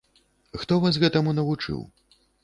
Хто вас гэтаму навучыў?